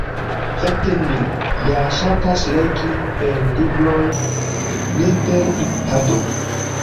Fakte, mi ja ŝatas legi per libroj ne per ipado